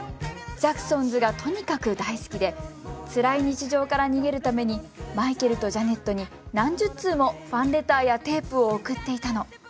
ジャクソンズがとにかく大好きでつらい日常から逃げるためにマイケルとジャネットに何十通もファンレターやテープを送っていたの。